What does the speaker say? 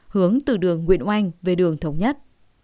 hướng từ đường nguyễn oanh về đường thống nhất